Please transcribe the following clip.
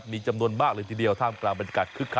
มีจำนวนมากเลยทีเดียวท่ามกลางบรรยากาศคึกคัก